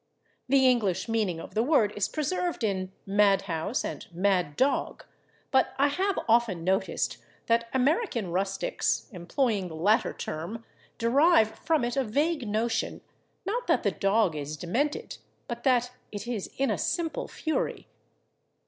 The English meaning of the word is preserved in /mad house/ and /mad dog/, but I have often noticed that American rustics, employing the latter term, derive from it a vague notion, not that the dog is demented, but that it is in a simple fury.